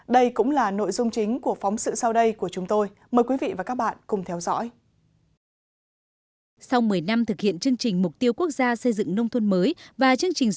đây cũng là nội dung chính của phóng sự sau đây của chúng tôi mời quý vị và các bạn cùng theo dõi